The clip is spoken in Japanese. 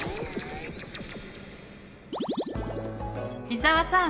伊沢さん！